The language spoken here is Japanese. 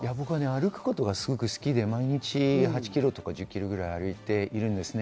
歩くことが好きで、８キロから１０キロぐらい毎日歩いています。